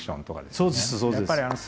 そうですそうです。